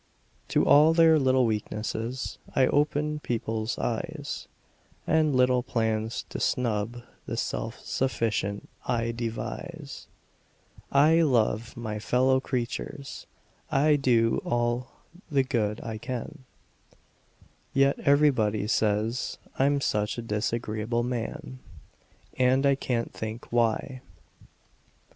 To all their little weaknesses I open people's eyes And little plans to snub the self sufficient I devise; I love my fellow creatures I do all the good I can Yet everybody say I'm such a disagreeable man! And I can't think why!